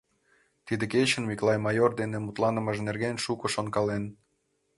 Тиде кечын Миклай майор дене мутланымыж нерген шуко шонкален.